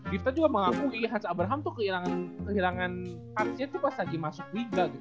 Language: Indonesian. riftal juga mengakui hansa abraham tuh kehilangan partsnya tuh pas lagi masuk liga gitu